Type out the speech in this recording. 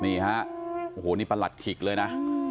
นี่ครับโอ้วในประหลัดขีดเลยน่ะ